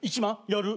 やる？